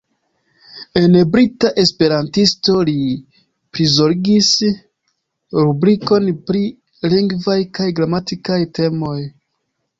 En Brita Esperantisto li prizorgis rubrikon pri lingvaj kaj gramatikaj temoj.